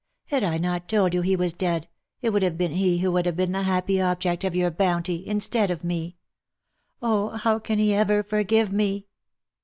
Had I not told you he was dead, it would have been he who would have been the happy ob ject of your bounty, instead of me ! Oh ! how can he ever forgive me?"